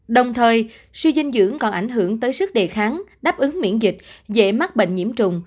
đồng thời suy dinh dưỡng còn ảnh hưởng tới sức đề kháng đáp ứng miễn dịch dễ mắc bệnh nhiễm trùng